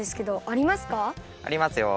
ありますよ。